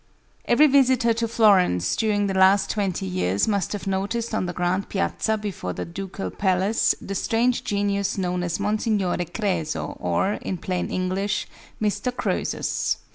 Every visitor to Florence during the last twenty years must have noticed on the grand piazza before the Ducal Palace, the strange genius known as Monsignore Créso, or, in plain English, Mr. Croesus.